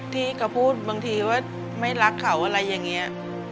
ที่เขาพูดบางทีว่าไม่รักเขาอะไรอย่างนี้